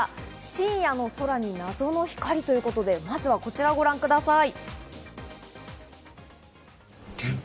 深夜の空に謎の光ということで、まずはこちらをご覧ください。